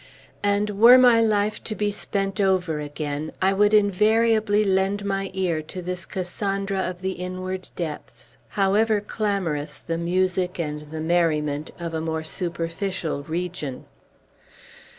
And were my life to be spent over again, I would invariably lend my ear to this Cassandra of the inward depths, however clamorous the music and the merriment of a more superficial region.